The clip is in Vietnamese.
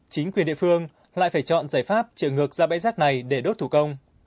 chính quyền địa phương lại phải chọn giải pháp chở ngược ra bãi rác này để đốt thủ công